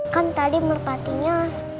kan tadi merpati nya